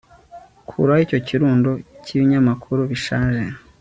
Kuraho icyo kirundo cyibinyamakuru bishaje